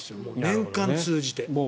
年間通じて。